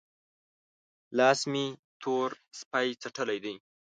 لاس مې تور سپۍ څټلی دی؟